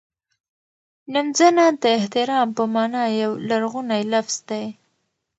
نمځنه د احترام په مانا یو لرغونی لفظ دی.